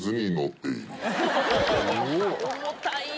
重たいよ。